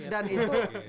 disclaimer dulu nih